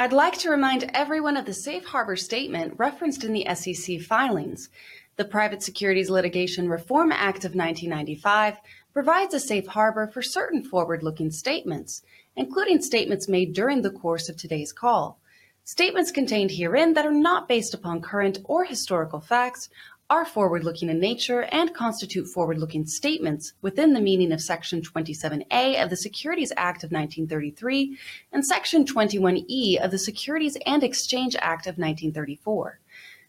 I'd like to remind everyone of the safe harbor statement referenced in the SEC filings. The Private Securities Litigation Reform Act of 1995 provides a safe harbor for certain forward-looking statements, including statements made during the course of today's call. Statements contained herein that are not based upon current or historical facts are forward-looking in nature and constitute forward-looking statements within the meaning of Section 27A of the Securities Act of 1933 and Section 21E of the Securities and Exchange Act of 1934.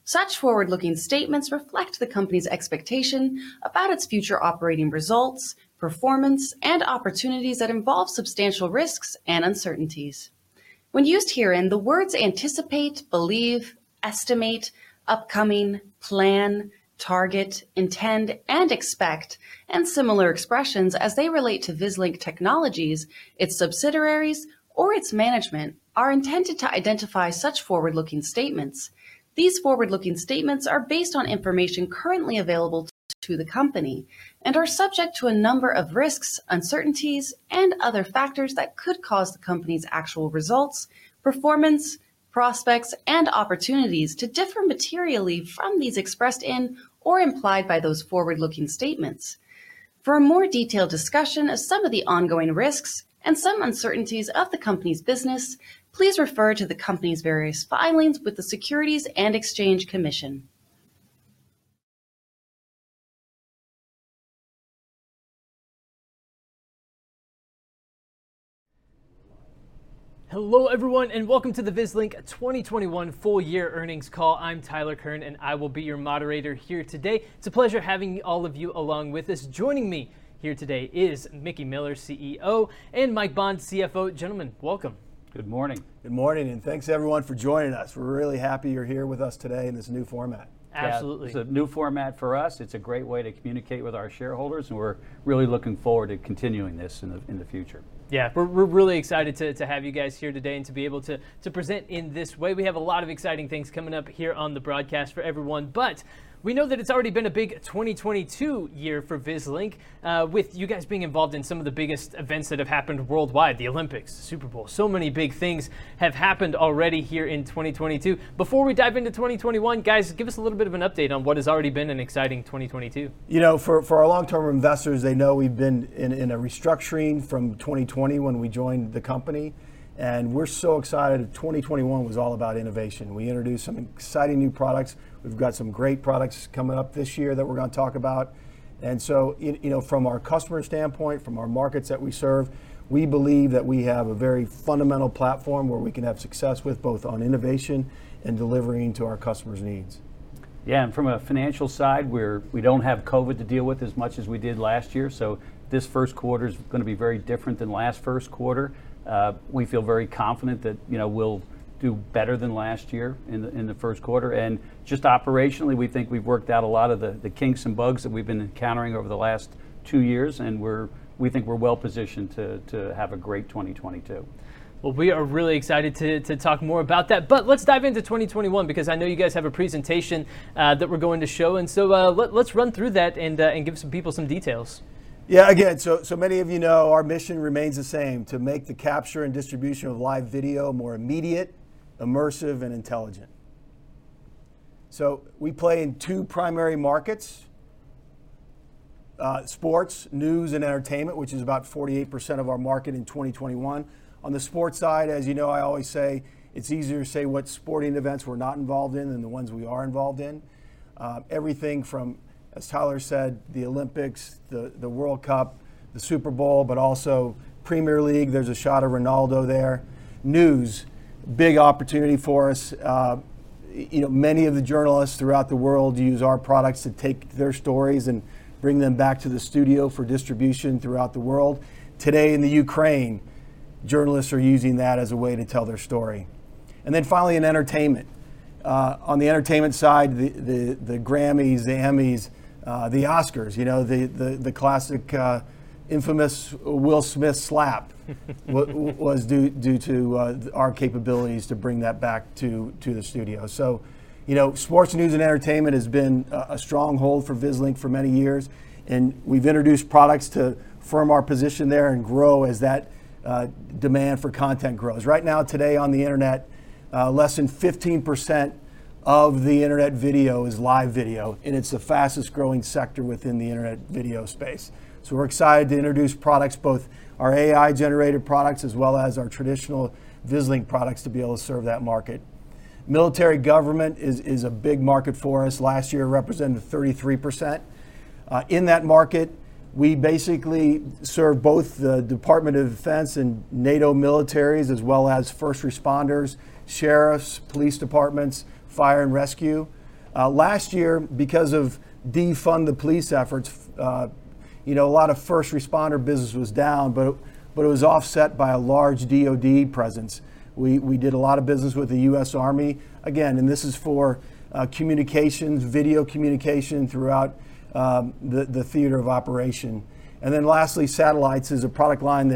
Such forward-looking statements reflect the company's expectation about its future operating results, performance, and opportunities that involve substantial risks and uncertainties. When used herein, the words anticipate, believe, estimate, upcoming, plan, target, intend, and expect, and similar expressions as they relate to Vislink Technologies, its subsidiaries, or its management, are intended to identify such forward-looking statements. These forward-looking statements are based on information currently available to the company and are subject to a number of risks, uncertainties, and other factors that could cause the company's actual results, performance, prospects, and opportunities to differ materially from these expressed in or implied by those forward-looking statements. For a more detailed discussion of some of the ongoing risks and some uncertainties of the company's business, please refer to the company's various filings with the Securities and Exchange Commission. Hello, everyone, and welcome to the Vislink 2021 full-year earnings call. I'm Tyler Kern, and I will be your moderator here today. It's a pleasure having all of you along with us. Joining me here today is Mickey Miller, CEO, and Mike Bond, CFO. Gentlemen, welcome. Good morning. Good morning, and thanks everyone for joining us. We're really happy you're here with us today in this new format. Absolutely. Yeah. It's a new format for us. It's a great way to communicate with our shareholders, and we're really looking forward to continuing this in the future. Yeah. We're really excited to have you guys here today and to be able to present in this way. We have a lot of exciting things coming up here on the broadcast for everyone. We know that it's already been a big 2022 year for Vislink, with you guys being involved in some of the biggest events that have happened worldwide, the Olympics, the Super Bowl. Many big things have happened already here in 2022. Before we dive into 2021, guys, give us a little bit of an update on what has already been an exciting 2022. You know, for our long-term investors, they know we've been in a restructuring from 2020 when we joined the company, and we're so excited that 2021 was all about innovation. We introduced some exciting new products. We've got some great products coming up this year that we're gonna talk about. You know, from our customer standpoint, from our markets that we serve, we believe that we have a very fundamental platform where we can have success with both on innovation and delivering to our customers' needs. From a financial side, we don't have COVID to deal with as much as we did last year, so this first quarter's gonna be very different than last first quarter. We feel very confident that, you know, we'll do better than last year in the first quarter. Just operationally, we think we've worked out a lot of the kinks and bugs that we've been encountering over the last two years, and we think we're well positioned to have a great 2022. Well, we are really excited to talk more about that. Let's dive into 2021 because I know you guys have a presentation that we're going to show. Let's run through that and give some people some details. Again, so many of you know our mission remains the same, to make the capture and distribution of live video more immediate, immersive, and intelligent. We play in two primary markets, sports, news, and entertainment, which is about 48% of our market in 2021. On the sports side, as you know I always say, it's easier to say what sporting events we're not involved in than the ones we are involved in. Everything from, as Tyler said, the Olympics, the World Cup, the Super Bowl, but also Premier League. There's a shot of Ronaldo there. News, big opportunity for us. You know, many of the journalists throughout the world use our products to take their stories and bring them back to the studio for distribution throughout the world. Today in the Ukraine, journalists are using that as a way to tell their story. In entertainment, on the entertainment side, the Grammys, the Emmys, the Oscars, you know, the classic, infamous Will Smith slap was due to our capabilities to bring that back to the studio. You know, sports, news, and entertainment has been a stronghold for Vislink for many years, and we've introduced products to firm our position there and grow as that demand for content grows. Right now today on the internet, less than 15% of the internet video is live video, and it's the fastest growing sector within the internet video space. We're excited to introduce products, both our AI-generated products as well as our traditional Vislink products to be able to serve that market. Military government is a big market for us. Last year represented 33%. In that market, we basically serve both the Department of Defense and NATO militaries as well as first responders, sheriffs, police departments, fire and rescue. Last year, because of defund the police efforts, you know, a lot of first responder business was down, but it was offset by a large DOD presence. We did a lot of business with the U.S. Army. Again, this is for communications, video communication throughout the theater of operation. Lastly, satellites is a product line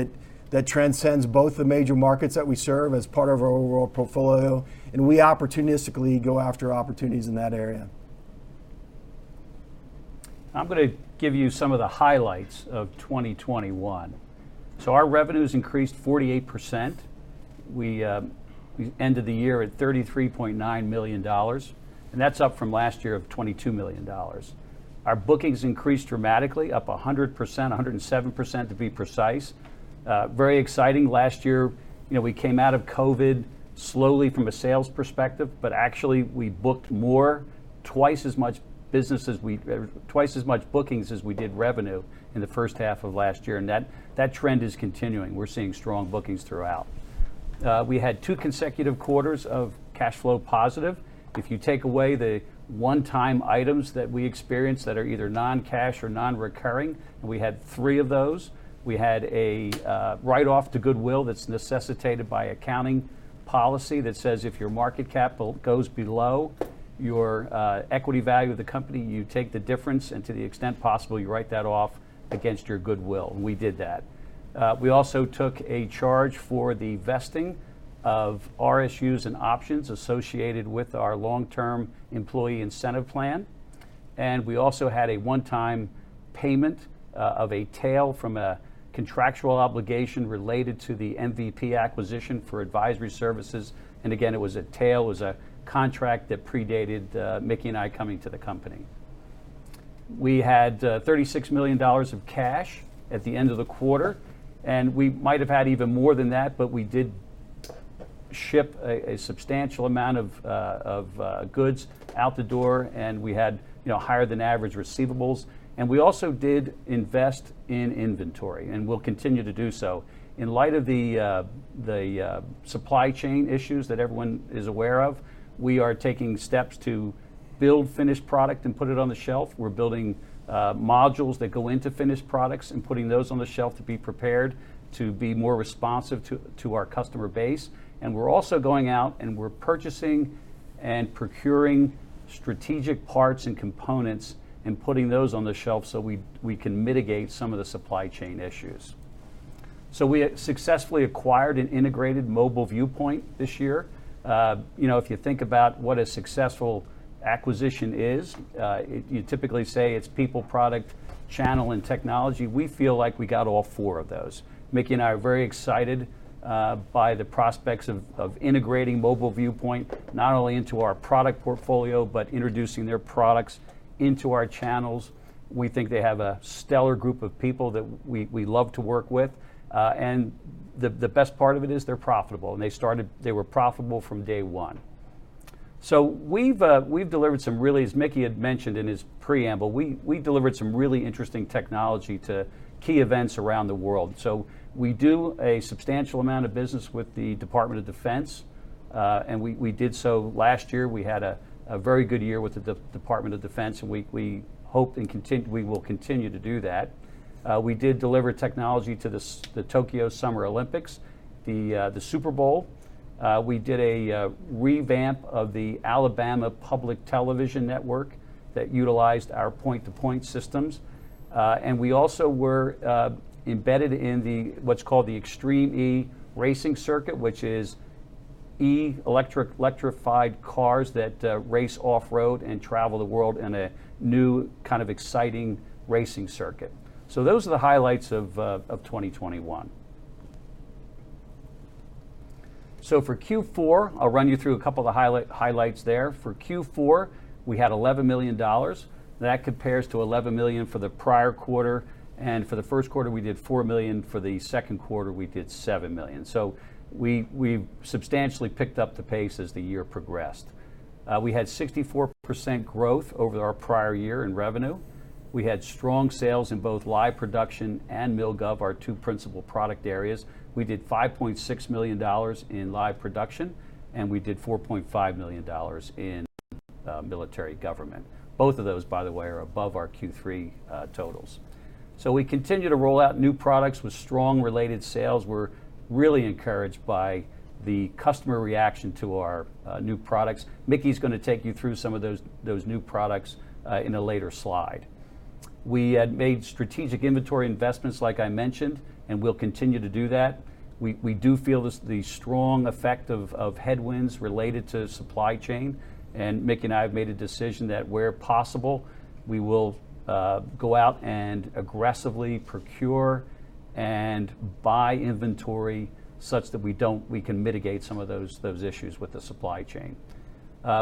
that transcends both the major markets that we serve as part of our overall portfolio, and we opportunistically go after opportunities in that area. I'm gonna give you some of the highlights of 2021. Our revenue's increased 48%. We ended the year at $33.9 million, and that's up from last year of $22 million. Our bookings increased dramatically, up 100%, 107% to be precise. Very exciting. Last year, you know, we came out of COVID slowly from a sales perspective, but actually, we booked more, twice as much bookings as we did revenue in the first half of last year, and that trend is continuing. We're seeing strong bookings throughout. We had two consecutive quarters of cash flow positive. If you take away the one-time items that we experienced that are either non-cash or non-recurring, and we had three of those, we had a write-off to goodwill that's necessitated by an accounting policy that says if your market capitalization goes below your equity value of the company, you take the difference, and to the extent possible, you write that off against your goodwill. We did that. We also took a charge for the vesting of RSU and options associated with our long-term employee incentive plan. We also had a one-time payment of a tail from a contractual obligation related to the MVP acquisition for advisory services, and again, it was a tail. It was a contract that predated Mickey and I coming to the company. We had $36 million of cash at the end of the quarter, and we might have had even more than that, but we did ship a substantial amount of goods out the door, and we had, you know, higher than average receivables. We also did invest in inventory and will continue to do so. In light of the supply chain issues that everyone is aware of, we are taking steps to build finished product and put it on the shelf. We're building modules that go into finished products and putting those on the shelf to be prepared to be more responsive to our customer base. We're also going out, and we're purchasing and procuring strategic parts and components and putting those on the shelf so we can mitigate some of the supply chain issues. We successfully acquired an integrated Mobile Viewpoint this year. You know, if you think about what a successful acquisition is, you typically say it's people, product, channel, and technology. We feel like we got all four of those. Mickey and I are very excited by the prospects of integrating Mobile Viewpoint not only into our product portfolio but introducing their products into our channels. We think they have a stellar group of people that we love to work with. The best part of it is they're profitable, and they were profitable from day one. We've delivered some really interesting technology to key events around the world, as Mickey had mentioned in his preamble. We do a substantial amount of business with the Department of Defense, and we did so last year. We had a very good year with the Department of Defense, and we hope and we will continue to do that. We did deliver technology to the Tokyo Summer Olympics, the Super Bowl. We did a revamp of the Alabama Public Television that utilized our point-to-point systems. We also were embedded in what's called the Extreme E racing circuit, which is electrified cars that race off-road and travel the world in a new kind of exciting racing circuit. Those are the highlights of 2021. For Q4, I'll run you through a couple of the highlights there. For Q4, we had $11 million. That compares to $11 million for the prior quarter, and for the first quarter, we did $4 million. For the second quarter, we did $7 million. We substantially picked up the pace as the year progressed. We had 64% growth over our prior year in revenue. We had strong sales in both live production and Mil gov, our two principal product areas. We did $5.6 million in live production, and we did $4.5 million in military government. Both of those, by the way, are above our Q3 totals. We continue to roll out new products with strong related sales. We're really encouraged by the customer reaction to our new products. Mickey's gonna take you through some of those new products in a later slide. We made strategic inventory investments like I mentioned, and we'll continue to do that. We do feel the strong effect of headwinds related to supply chain, and Mickey and I have made a decision that where possible, we will go out and aggressively procure and buy inventory such that we can mitigate some of those issues with the supply chain.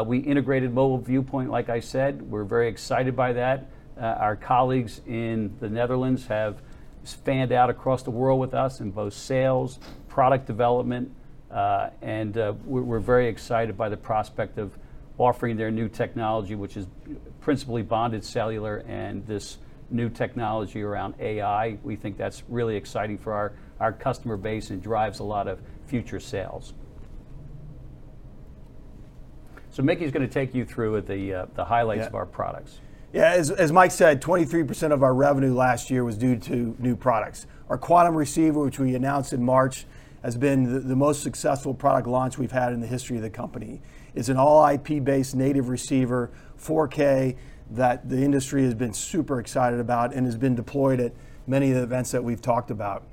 We integrated Mobile Viewpoint like I said. We're very excited by that. Our colleagues in the Netherlands have fanned out across the world with us in both sales, product development, and we're very excited by the prospect of offering their new technology, which is principally bonded cellular and this new technology around AI. We think that's really exciting for our customer base and drives a lot of future sales. Mickey's gonna take you through the highlights of our products. Yeah. As Mike said, 23% of our revenue last year was due to new products. Our Quantum receiver, which we announced in March, has been the most successful product launch we've had in the history of the company. It's an all IP-based native receiver, 4K, that the industry has been super excited about and has been deployed at many of the events that we've talked about.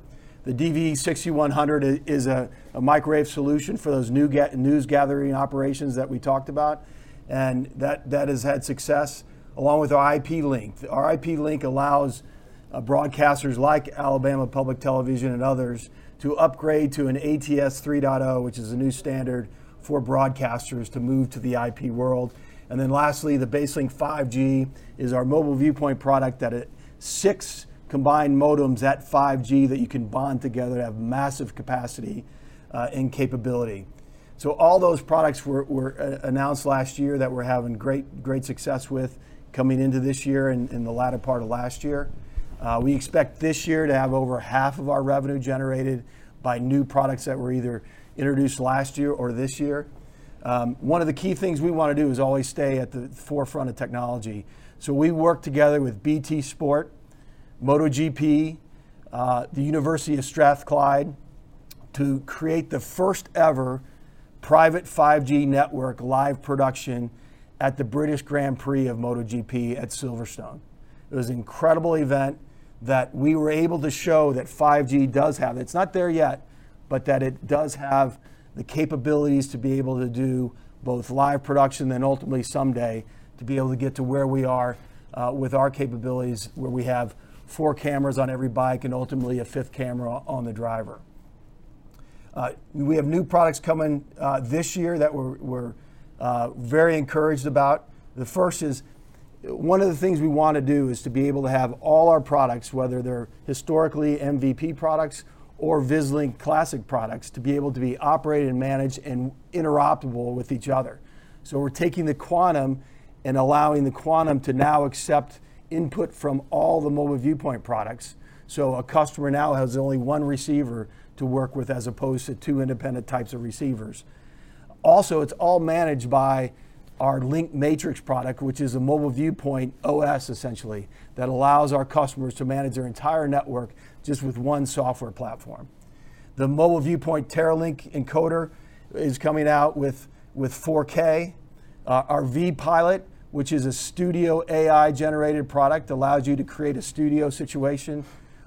The DVE6100 is a microwave solution for those new news gathering operations that we talked about, and that has had success along with our IPLink. Our IPLink allows broadcasters like Alabama Public Television and others to upgrade to an ATSC 3.0, which is a new standard for broadcasters to move to the IP world. Lastly, the BaseLink 5G is our Mobile Viewpoint product that it- Six combined modems at 5G that you can bond together have massive capacity and capability. All those products were announced last year that we're having great success with coming into this year and the latter part of last year. We expect this year to have over half of our revenue generated by new products that were either introduced last year or this year. One of the key things we wanna do is always stay at the forefront of technology. We worked together with BT Sport, MotoGP, the University of Strathclyde to create the first ever private 5G network live production at the British Grand Prix of MotoGP at Silverstone. It was an incredible event that we were able to show that 5G does have. It's not there yet, but that it does have the capabilities to be able to do both live production and ultimately someday to be able to get to where we are with our capabilities, where we have four cameras on every bike and ultimately a fifth camera on the driver. We have new products coming this year that we're very encouraged about. The first is one of the things we want to do is to be able to have all our products, whether they're historically MVP products or Vislink classic products, to be able to be operated and managed and interoperable with each other. We're taking the Quantum and allowing the Quantum to now accept input from all the Mobile Viewpoint products. A customer now has only one receiver to work with as opposed to two independent types of receivers. It's all managed by our LinkMatrix product, which is a Mobile Viewpoint OS essentially, that allows our customers to manage their entire network just with one software platform. The Mobile Viewpoint TerraLink encoder is coming out with 4K. Our vPilot, which is a studio AI-generated product, allows you to create a studio situation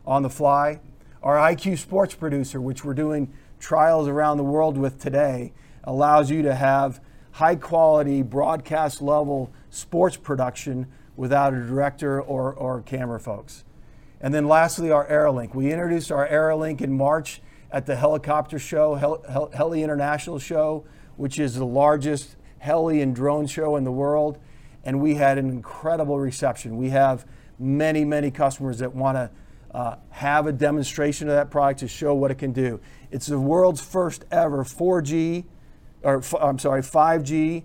on the fly. Our IQ Sports Producer, which we're doing trials around the world with today, allows you to have high quality broadcast level sports production without a director or camera folks. Lastly, our AeroLink. We introduced our AeroLink in March at the HAI Heli-Expo, which is the largest heli and drone show in the world, and we had an incredible reception. We have many customers that wanna have a demonstration of that product to show what it can do. It's the world's first ever 5G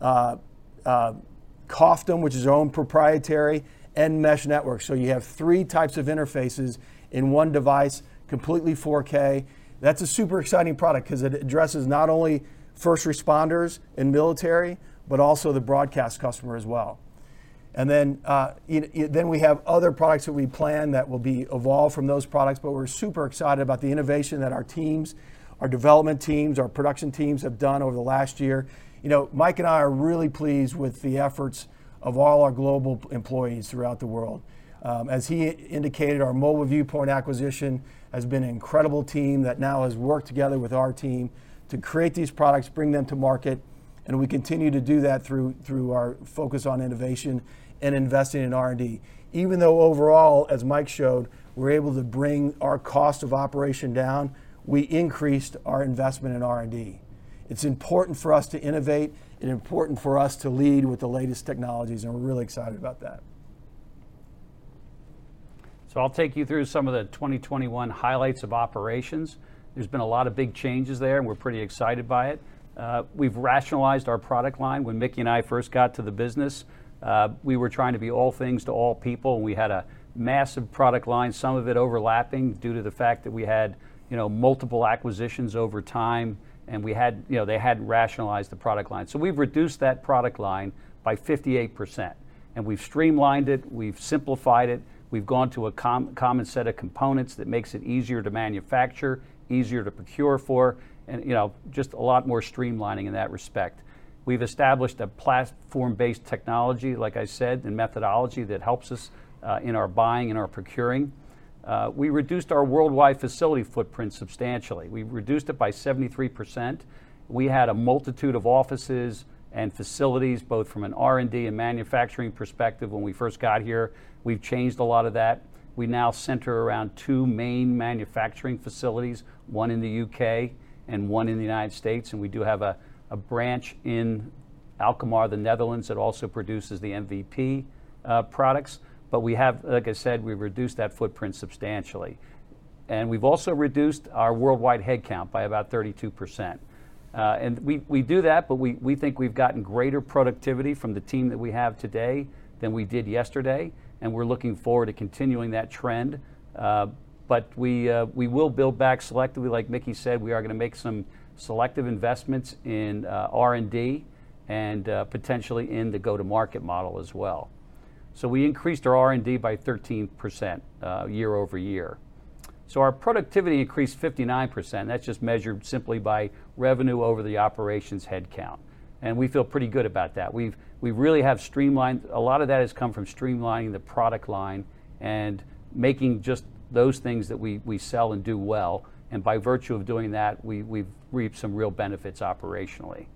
COFDM, which is our own proprietary and mesh network. You have three types of interfaces in one device, completely 4K. That's a super exciting product 'cause it addresses not only first responders and military, but also the broadcast customer as well. We have other products that we plan that will be evolved from those products, but we're super excited about the innovation that our teams, our development teams, our production teams have done over the last year. You know, Mike and I are really pleased with the efforts of all our global employees throughout the world. As he indicated, our Mobile Viewpoint acquisition has been an incredible team that now has worked together with our team to create these products, bring them to market, and we continue to do that through our focus on innovation and investing in R&D. Even though overall, as Mike showed, we're able to bring our cost of operation down, we increased our investment in R&D. It's important for us to innovate and important for us to lead with the latest technologies, and we're really excited about that. I'll take you through some of the 2021 highlights of operations. There's been a lot of big changes there, and we're pretty excited by it. We've rationalized our product line. When Mickey and I first got to the business, we were trying to be all things to all people. We had a massive product line, some of it overlapping due to the fact that we had, you know, multiple acquisitions over time, and we had you know, they hadn't rationalized the product line. We've reduced that product line by 58%, and we've streamlined it, we've simplified it. We've gone to a common set of components that makes it easier to manufacture, easier to procure for, and, you know, just a lot more streamlining in that respect. We've established a platform-based technology, like I said, the methodology that helps us in our buying and our procuring. We reduced our worldwide facility footprint substantially. We reduced it by 73%. We had a multitude of offices and facilities, both from an R&D and manufacturing perspective when we first got here. We've changed a lot of that. We now center around two main manufacturing facilities, one in the U.K. and one in the United States, and we do have a branch in Alkmaar, the Netherlands, that also produces the MVP products. We have, like I said, we've reduced that footprint substantially. We've also reduced our worldwide head count by about 32%. We do that, but we think we've gotten greater productivity from the team that we have today than we did yesterday, and we're looking forward to continuing that trend. We will build back selectively. Like Mickey said, we are gonna make some selective investments in R&D and potentially in the go-to-market model as well. We increased our R&D by 13% year-over-year. Our productivity increased 59%. That's just measured simply by revenue over the operations headcount, and we feel pretty good about that. We really have streamlined. A lot of that has come from streamlining the product line and making just those things that we sell and do well. By virtue of doing that, we've reaped some real benefits operationally.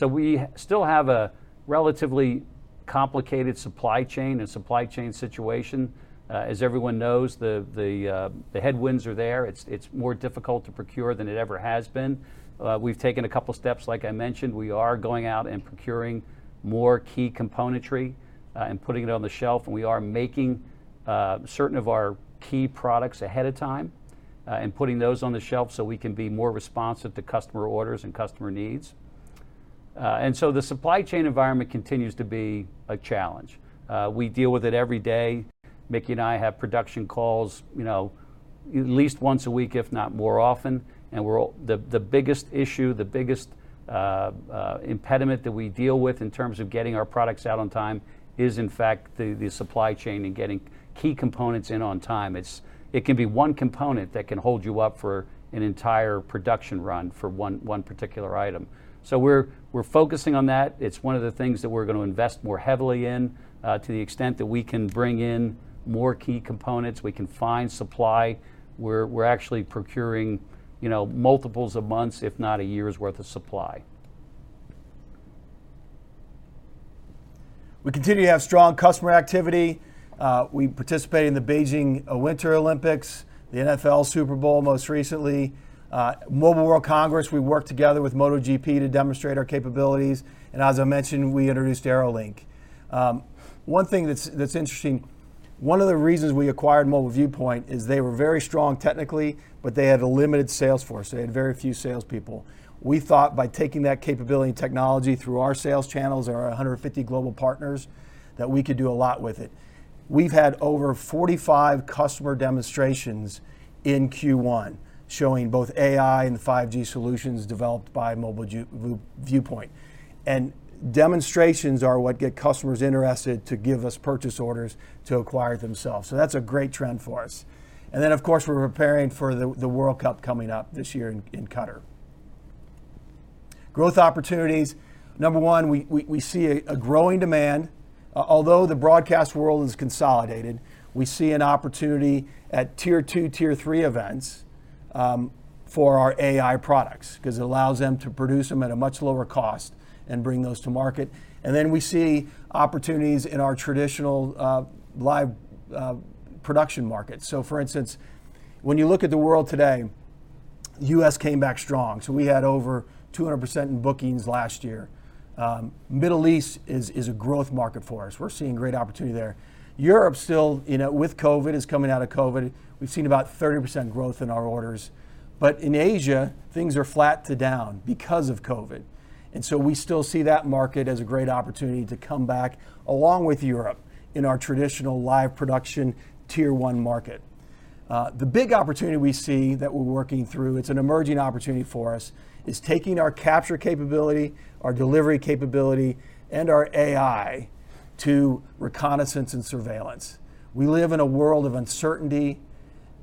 We still have a relatively complicated supply chain situation. As everyone knows, the headwinds are there. It's more difficult to procure than it ever has been. We've taken a couple steps, like I mentioned. We are going out and procuring more key componentry and putting it on the shelf, and we are making certain of our key products ahead of time and putting those on the shelf so we can be more responsive to customer orders and customer needs. The supply chain environment continues to be a challenge. We deal with it every day. Mickey and I have production calls, you know, at least once a week, if not more often. The biggest issue, the biggest impediment that we deal with in terms of getting our products out on time is, in fact, the supply chain and getting key components in on time. It can be one component that can hold you up for an entire production run for one particular item. We're focusing on that. It's one of the things that we're gonna invest more heavily in, to the extent that we can bring in more key components, we can find supply. We're actually procuring, you know, multiples of months, if not a year's worth of supply. We continue to have strong customer activity. We participated in the Beijing Winter Olympics, the NFL Super Bowl most recently. Mobile World Congress, we worked together with MotoGP to demonstrate our capabilities. As I mentioned, we introduced AeroLink. One thing that's interesting, one of the reasons we acquired Mobile Viewpoint is they were very strong technically, but they had a limited sales force. They had very few salespeople. We thought by taking that capability and technology through our sales channels and our 150 global partners, that we could do a lot with it. We've had over 45 customer demonstrations in Q1 showing both AI and the 5G solutions developed by Mobile Viewpoint. Demonstrations are what get customers interested to give us purchase orders to acquire themselves. That's a great trend for us. Of course, we're preparing for the World Cup coming up this year in Qatar. Growth opportunities, number one, we see a growing demand. Although the broadcast world is consolidated, we see an opportunity at Tier 2, Tier 3 events, for our AI products 'cause it allows them to produce them at a much lower cost and bring those to market. We see opportunities in our traditional, live, production markets. For instance, when you look at the world today, U.S. came back strong, so we had over 200% in bookings last year. Middle East is a growth market for us. We're seeing great opportunity there. Europe still, you know, with COVID, is coming out of COVID, we've seen about 30% growth in our orders. In Asia, things are flat to down because of COVID, and so we still see that market as a great opportunity to come back, along with Europe, in our traditional live production Tier 1 market. The big opportunity we see that we're working through, it's an emerging opportunity for us, is taking our capture capability, our delivery capability, and our AI to reconnaissance and surveillance. We live in a world of uncertainty,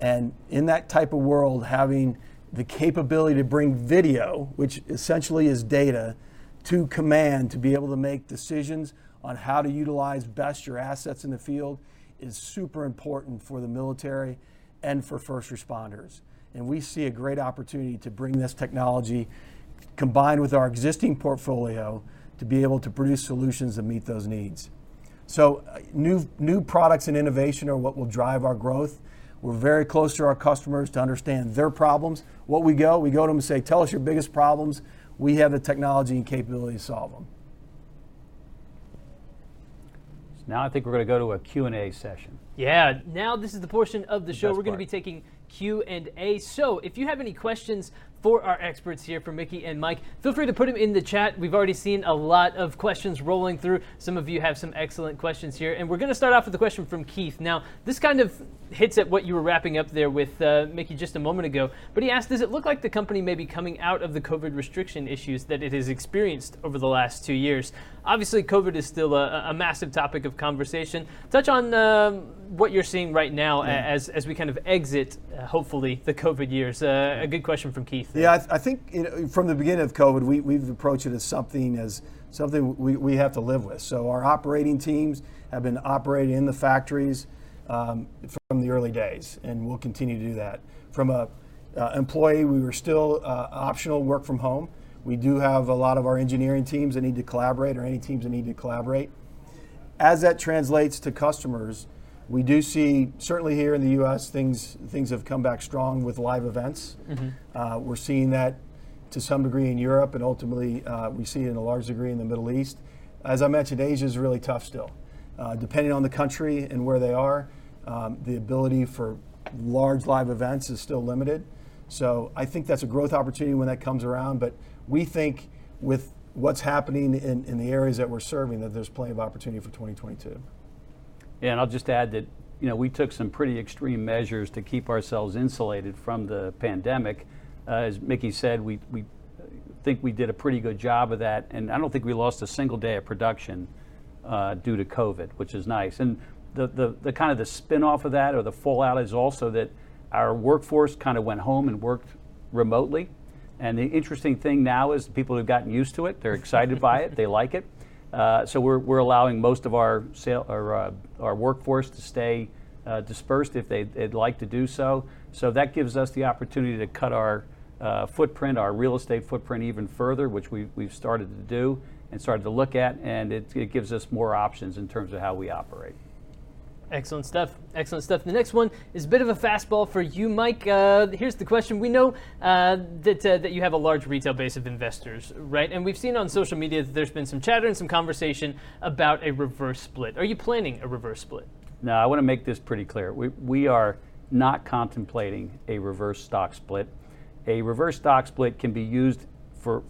and in that type of world, having the capability to bring video, which essentially is data, to command to be able to make decisions on how to utilize best your assets in the field is super important for the military and for first responders. We see a great opportunity to bring this technology, combined with our existing portfolio, to be able to produce solutions that meet those needs. New products and innovation are what will drive our growth. We're very close to our customers to understand their problems. We go to them and say, "Tell us your biggest problems. We have the technology and capability to solve them." Now I think we're gonna go to a Q&A session. Yeah. Now this is the portion of the show. Best part. We're gonna be taking Q&A. If you have any questions for our experts here, for Mickey and Mike. Feel free to put them in the chat. We've already seen a lot of questions rolling through. Some of you have some excellent questions here, and we're gonna start off with a question from Keith. Now, this kind of hits at what you were wrapping up there with Mickey just a moment ago, but he asked, "Does it look like the company may be coming out of the COVID restriction issues that it has experienced over the last two years?" Obviously, COVID is still a massive topic of conversation. Touch on what you're seeing right now. Yeah. As we kind of exit, hopefully, the COVID years. A good question from Keith there. Yeah, I think, you know, from the beginning of COVID, we've approached it as something we have to live with. Our operating teams have been operating in the factories from the early days, and we'll continue to do that. From an employee, we were still optional work from home. We do have a lot of our engineering teams that need to collaborate or any teams that need to collaborate. As that translates to customers, we do see, certainly here in the U.S., things have come back strong with live events. Mm-hmm. We're seeing that to some degree in Europe, and ultimately, we see it in a large degree in the Middle East. As I mentioned, Asia's really tough still. Depending on the country and where they are, the ability for large live events is still limited. I think that's a growth opportunity when that comes around, but we think with what's happening in the areas that we're serving, that there's plenty of opportunity for 2022. Yeah, I'll just add that, you know, we took some pretty extreme measures to keep ourselves insulated from the pandemic. As Mickey said, we think we did a pretty good job of that, and I don't think we lost a single day of production due to COVID, which is nice. The kind of spinoff of that, or the fallout, is also that our workforce kind of went home and worked remotely. The interesting thing now is people have gotten used to it. They're excited by it. They like it. We're allowing most of our workforce to stay dispersed if they'd like to do so. That gives us the opportunity to cut our footprint, our real estate footprint even further, which we've started to do and started to look at, and it gives us more options in terms of how we operate. Excellent stuff. The next one is a bit of a fastball for you, Mike. Here's the question. We know that you have a large retail base of investors, right? We've seen on social media that there's been some chatter and some conversation about a reverse split. Are you planning a reverse split? No, I wanna make this pretty clear. We are not contemplating a reverse stock split. A reverse stock split can be used for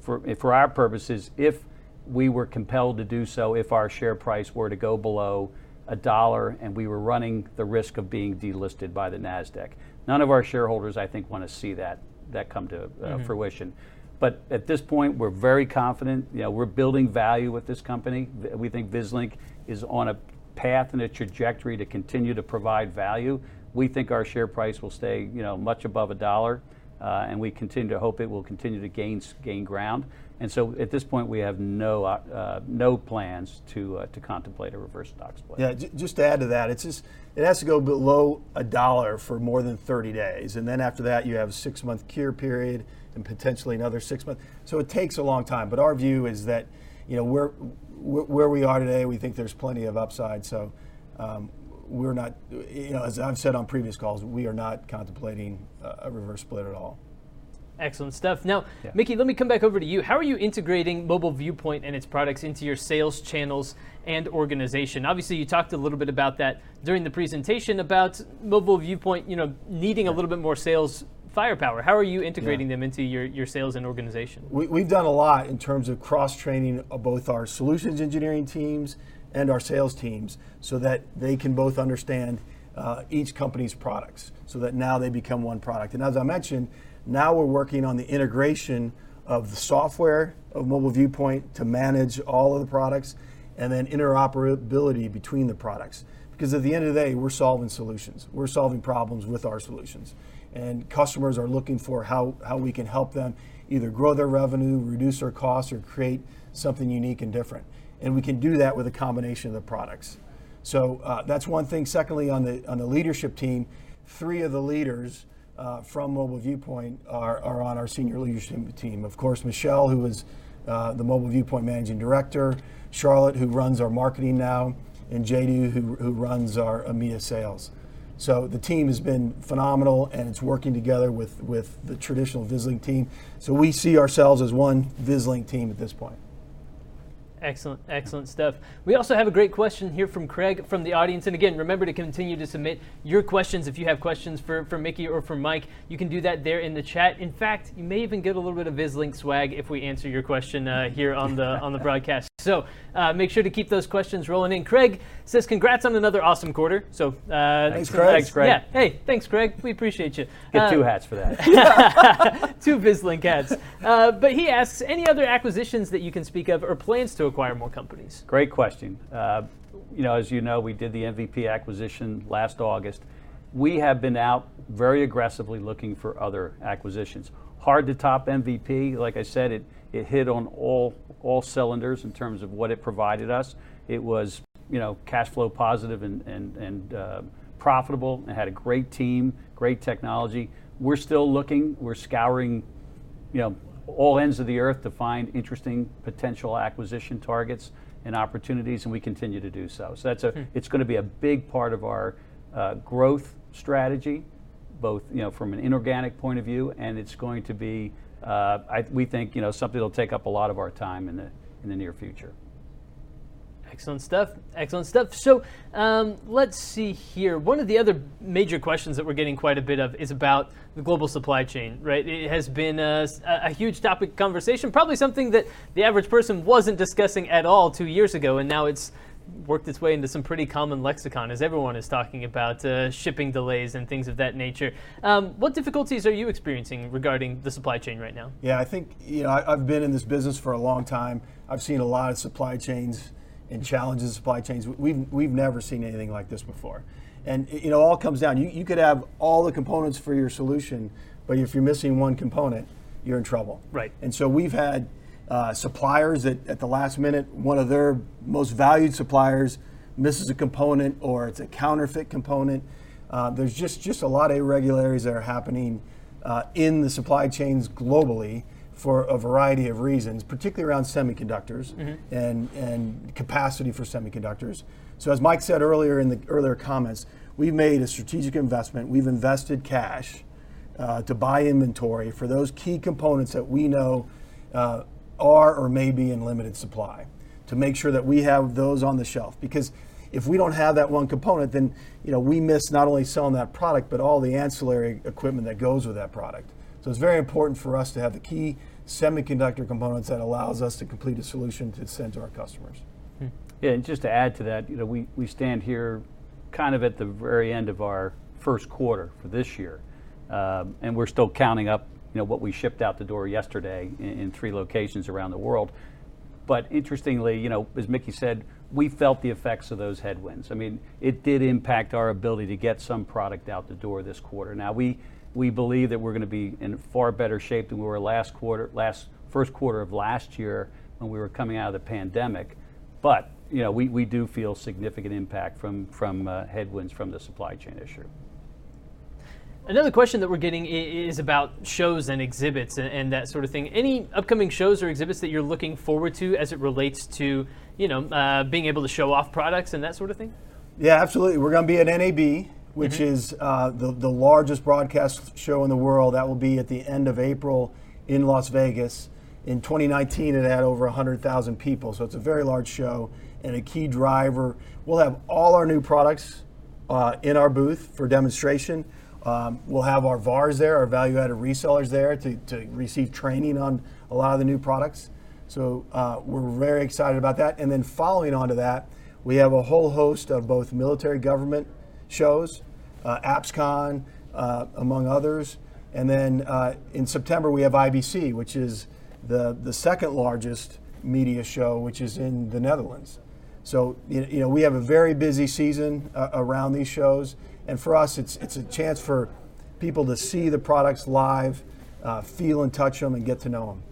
our purposes, if we were compelled to do so if our share price were to go below $1 and we were running the risk of being delisted by the Nasdaq. None of our shareholders, I think, wanna see that come to- Mm-hmm. Fruition. At this point we're very confident. You know, we're building value with this company. We think Vislink is on a path and a trajectory to continue to provide value. We think our share price will stay, you know, much above a dollar, and we continue to hope it will continue to gain ground. At this point, we have no plans to contemplate a reverse stock split. Yeah. Just to add to that, it's just, it has to go below $1 for more than 30 days, and then after that you have a six-month cure period and potentially another six-month. It takes a long time, but our view is that, you know, where we are today, we think there's plenty of upside. We're not, you know, as I've said on previous calls, we are not contemplating a reverse split at all. Excellent stuff. Now- Yeah. Mickey, let me come back over to you. How are you integrating Mobile Viewpoint and its products into your sales channels and organization? Obviously, you talked a little bit about that during the presentation, about Mobile Viewpoint, you know, needing- Yeah. A little bit more sales firepower. How are you integrating them- Yeah. Into your sales and organization? We've done a lot in terms of cross-training of both our solutions engineering teams and our sales teams so that they can both understand each company's products, so that now they become one product. As I mentioned, now we're working on the integration of the software of Mobile Viewpoint to manage all of the products and then interoperability between the products. Because at the end of the day, we're solving solutions. We're solving problems with our solutions, and customers are looking for how we can help them either grow their revenue, reduce their costs, or create something unique and different, and we can do that with a combination of the products. That's one thing. Secondly, on the leadership team, three of the leaders from Mobile Viewpoint are on our senior leadership team. Of course, Michel Bais, who is the Mobile Viewpoint Managing Director, Charlotte, who runs our marketing now, and JD, who runs our EMEA sales. The team has been phenomenal, and it's working together with the traditional Vislink team. We see ourselves as one Vislink team at this point. Excellent. Excellent stuff. We also have a great question here from Craig from the audience. Again, remember to continue to submit your questions if you have questions for Mickey or for Mike. You can do that there in the chat. In fact, you may even get a little bit of Vislink swag if we answer your question here on the broadcast. Make sure to keep those questions rolling in. Craig says, "Congrats on another awesome quarter." Thanks, Craig. Thanks, Craig. Yeah. Hey, thanks, Craig. We appreciate you. Get two hats for that. Two Vislink hats. He asks, "Any other acquisitions that you can speak of or plans to acquire more companies?" Great question. You know, as you know, we did the MVP acquisition last August. We have been out very aggressively looking for other acquisitions. Hard to top MVP. Like I said, it hit on all cylinders in terms of what it provided us. It was, you know, cash flow positive and profitable, and had a great team, great technology. We're still looking. We're scouring, you know, all ends of the earth to find interesting potential acquisition targets and opportunities, and we continue to do so. So that's a- Mm. It's gonna be a big part of our growth strategy both, you know, from an inorganic point of view, and it's going to be, we think, you know, something that'll take up a lot of our time in the near future. Excellent stuff. Let's see here. One of the other major questions that we're getting quite a bit of is about the global supply chain, right? It has been a huge topic of conversation. Probably something that the average person wasn't discussing at all two years ago, and now it's worked its way into some pretty common lexicon, as everyone is talking about shipping delays and things of that nature. What difficulties are you experiencing regarding the supply chain right now? Yeah, I think you know, I've been in this business for a long time. I've seen a lot of supply chains and challenges in supply chains. We've never seen anything like this before, and it all comes down. You could have all the components for your solution, but if you're missing one component, you're in trouble. Right. We've had suppliers at the last minute, one of their most valued suppliers misses a component, or it's a counterfeit component. There's just a lot of irregularities that are happening in the supply chains globally for a variety of reasons, particularly around semiconductors. Mm-hmm. Capacity for semiconductors. As Mike said earlier in the comments, we've made a strategic investment. We've invested cash to buy inventory for those key components that we know are or may be in limited supply, to make sure that we have those on the shelf. Because if we don't have that one component, then, you know, we miss not only selling that product, but all the ancillary equipment that goes with that product. It's very important for us to have the key semiconductor components that allows us to complete a solution to send to our customers. Mm. Yeah, just to add to that, you know, we stand here kind of at the very end of our first quarter for this year, and we're still counting up, you know, what we shipped out the door yesterday in three locations around the world. Interestingly, you know, as Mickey said, we felt the effects of those headwinds. I mean, it did impact our ability to get some product out the door this quarter. Now, we believe that we're gonna be in far better shape than we were last quarter, first quarter of last year when we were coming out of the pandemic. You know, we do feel significant impact from headwinds from the supply chain issue. Another question that we're getting is about shows and exhibits and that sort of thing. Any upcoming shows or exhibits that you're looking forward to as it relates to, you know, being able to show off products and that sort of thing? Yeah, absolutely. We're gonna be at NAB. Mm-hmm. Which is the largest broadcast show in the world. That will be at the end of April in Las Vegas. In 2019, it had over 100,000 people, so it's a very large show, and a key driver. We'll have all our new products in our booth for demonstration. We'll have our VARs there, our value-added resellers there, to receive training on a lot of the new products. We're very excited about that. Following on to that, we have a whole host of both military government shows, APSCON, among others. In September, we have IBC, which is the second largest media show, which is in the Netherlands. You know, we have a very busy season around these shows, and for us, it's a chance for people to see the products live, feel and touch them, and get to know them.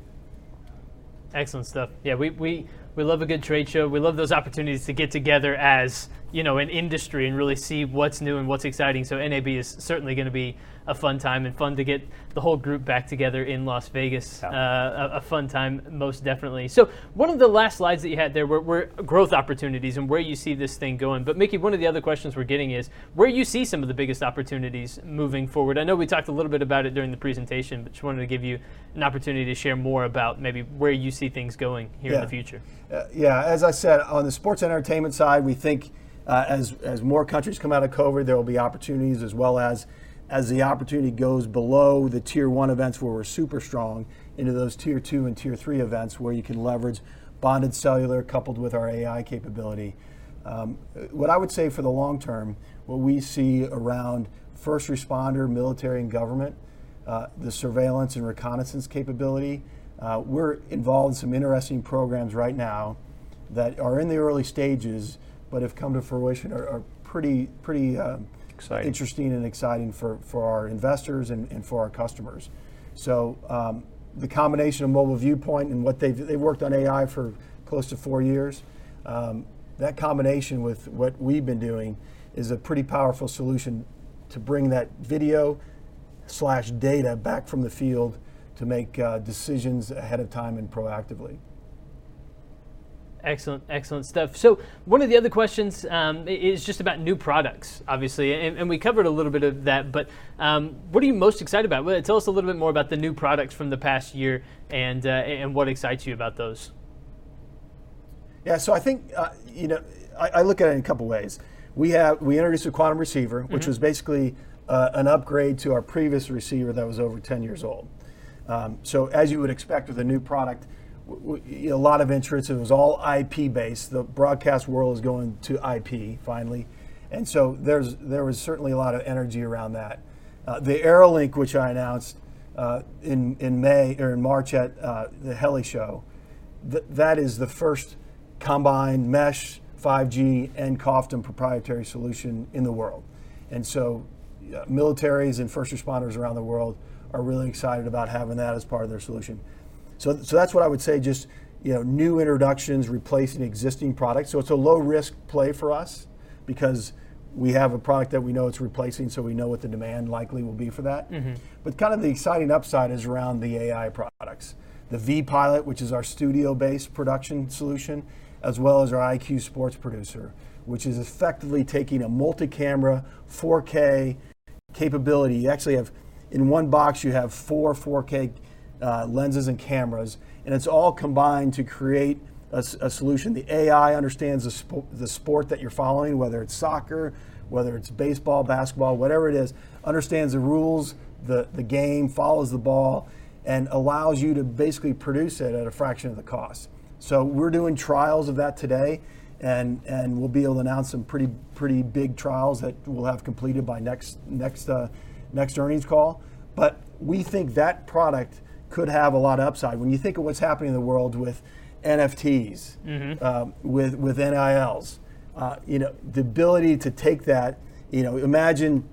Excellent stuff. Yeah, we love a good trade show. We love those opportunities to get together as, you know, an industry and really see what's new and what's exciting. NAB is certainly gonna be a fun time, and fun to get the whole group back together in Las Vegas. Yeah. A fun time, most definitely. One of the last slides that you had there were growth opportunities and where you see this thing going. Mickey, one of the other questions we're getting is where you see some of the biggest opportunities moving forward. I know we talked a little bit about it during the presentation, but just wanted to give you an opportunity to share more about maybe where you see things going here in the future. Yeah. Yeah, as I .said, on the sports entertainment side, we think as more countries come out of COVID, there will be opportunities, as well as the opportunity goes below the Tier 1 events where we're super strong into those Tier 2 and Tier 3 events where you can leverage bonded cellular coupled with our AI capability. What I would say for the long term, what we see around first responder, military and government, the surveillance and reconnaissance capability, we're involved in some interesting programs right now that are in the early stages, but if come to fruition, are pretty- Exciting. Interesting and exciting for our investors and for our customers. The combination of Mobile Viewpoint and what they worked on AI for close to four years. That combination with what we've been doing is a pretty powerful solution to bring that video/data back from the field to make decisions ahead of time and proactively. Excellent stuff. One of the other questions is just about new products, obviously, and we covered a little bit of that. What are you most excited about? Tell us a little bit more about the new products from the past year and what excites you about those. Yeah, I think, you know, I look at it in a couple ways. We have introduced a Quantum receiver- Mm-hmm. Which was basically an upgrade to our previous receiver that was over 10 years old. As you would expect with a new product, a lot of interest. It was all IP-based. The broadcast world is going to IP finally, and there was certainly a lot of energy around that. The AeroLink, which I announced in May or in March at the HAI Heli-Expo, that is the first combined mesh, 5G, and COFDM proprietary solution in the world. Militaries and first responders around the world are really excited about having that as part of their solution. That's what I would say, just, you know, new introductions replacing existing products. It's a low-risk play for us because we have a product that we know it's replacing, so we know what the demand likely will be for that. Mm-hmm. Kind of the exciting upside is around the AI products. The vPilot, which is our studio-based production solution, as well as our IQ Sports Producer, which is effectively taking a multi-camera 4K capability. You actually have, in one box, you have four 4K lenses and cameras, and it's all combined to create a solution. The AI understands the sport that you're following, whether it's soccer, whether it's baseball, basketball, whatever it is, understands the rules, the game, follows the ball, and allows you to basically produce it at a fraction of the cost. We're doing trials of that today and we'll be able to announce some pretty big trials that we'll have completed by next earnings call. We think that product could have a lot of upside. When you think of what's happening in the world with NFTs. Mm-hmm. With NIL, you know, the ability to take that, you know, imagine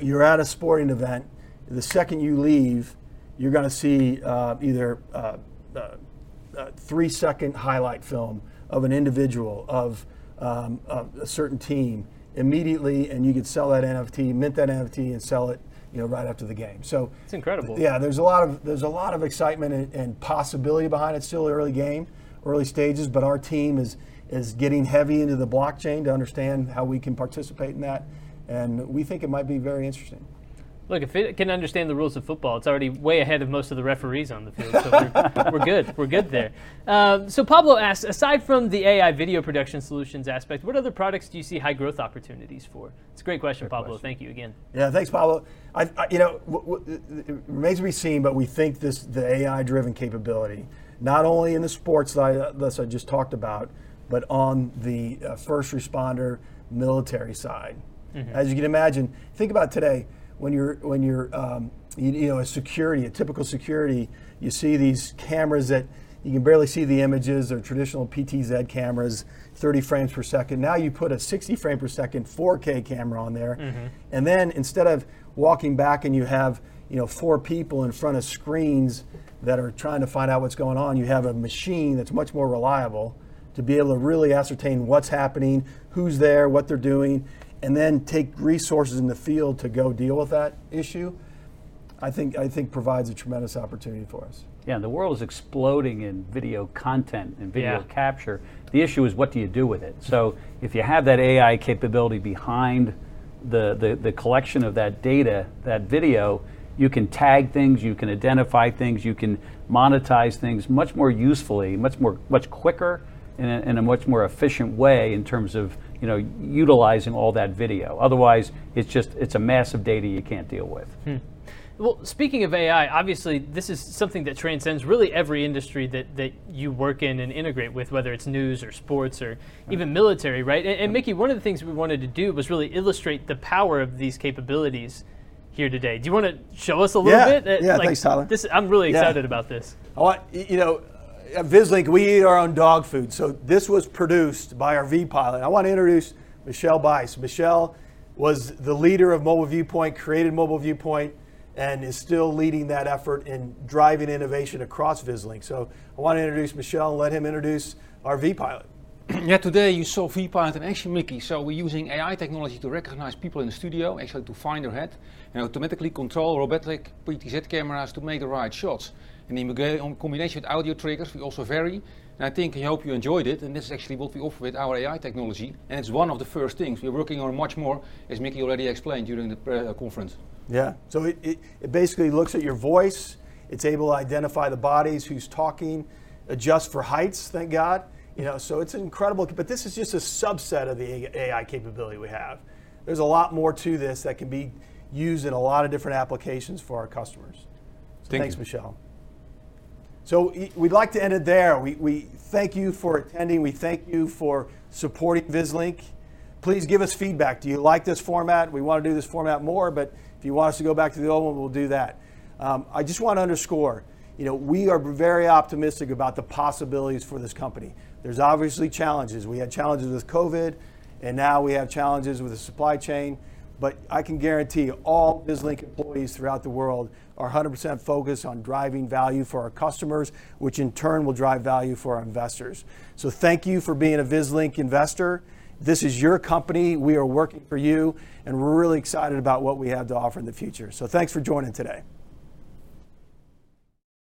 you're at a sporting event. The second you leave, you're gonna see either a three-second highlight film of an individual of a certain team immediately, and you could sell that NFT, mint that NFT, and sell it, you know, right after the game. It's incredible. Yeah. There's a lot of excitement and possibility behind it. Still early game, early stages, but our team is getting heavy into the blockchain to understand how we can participate in that, and we think it might be very interesting. Look, if it can understand the rules of football, it's already way ahead of most of the referees on the field. We're good. We're good there. Pablo asks, "Aside from the AI video production solutions aspect, what other products do you see high growth opportunities for?" It's a great question, Paolo. Thank you again. Yeah. Thanks, Paolo. You know, it remains to be seen, but we think this, the AI-driven capability, not only in the sports side that I just talked about, but on the first responder military side. Mm-hmm. As you can imagine, think about today when you're you know a typical security you see these cameras that you can barely see the images. They're traditional PTZ cameras, 30 frames per second. Now you put a 60 frame per second 4K camera on there. Mm-hmm. Instead of walking back and you have, you know, four people in front of screens that are trying to find out what's going on, you have a machine that's much more reliable to be able to really ascertain what's happening, who's there, what they're doing, and then take resources in the field to go deal with that issue. I think provides a tremendous opportunity for us. Yeah. The world is exploding in video content and video- Yeah. Capture. The issue is what do you do with it? If you have that AI capability behind the collection of that data, that video, you can tag things, you can identify things, you can monetize things much more usefully, much more, much quicker, in a much more efficient way in terms of, you know, utilizing all that video. Otherwise, it's just a mass of data you can't deal with. Well, speaking of AI, obviously this is something that transcends really every industry that you work in and integrate with, whether it's news or sports or even military, right? Mickey, one of the things we wanted to do was really illustrate the power of these capabilities here today. Do you wanna show us a little bit? Yeah. Yeah. Thanks, Tyler. I'm really excited- Yeah. About this. You know, at Vislink, we eat our own dog food. This was produced by our vPilot. I want to introduce Michel Bais. Michel was the leader of Mobile Viewpoint, created Mobile Viewpoint, and is still leading that effort in driving innovation across Vislink. I want to introduce Michel and let him introduce our vPilot. Yeah. Today, you saw vPilot in action, Mickey. We're using AI technology to recognize people in the studio, actually to find their head, and automatically control robotic PTZ cameras to make the right shots. In combination with audio triggers, we also vary, and I think and hope you enjoyed it, and this is actually what we offer with our AI technology, and it's one of the first things. We're working on much more, as Mickey already explained during the conference. Yeah. It basically looks at your voice. It's able to identify the bodies, who's talking, adjust for heights, thank God. You know, it's incredible. This is just a subset of the AI capability we have. There's a lot more to this that can be used in a lot of different applications for our customers. Thanks. Thanks, Michel. We'd like to end it there. We thank you for attending. We thank you for supporting Vislink. Please give us feedback. Do you like this format? We wanna do this format more, but if you want us to go back to the old one, we'll do that. I just wanna underscore, you know, we are very optimistic about the possibilities for this company. There's obviously challenges. We had challenges with COVID, and now we have challenges with the supply chain, but I can guarantee all Vislink employees throughout the world are 100% focused on driving value for our customers, which in turn will drive value for our investors. Thank you for being a Vislink investor. This is your company. We are working for you, and we're really excited about what we have to offer in the future. Thanks for joining today.